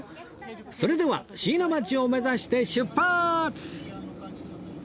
それでは椎名町を目指して出発！